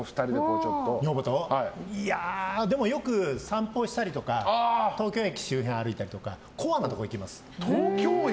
いやでもよく散歩したりとか東京駅周辺歩いたりとかコアなところ行きます。